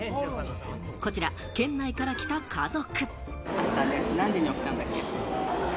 こちら、県内から来た家族。